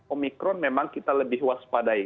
omikron memang kita lebih waspadai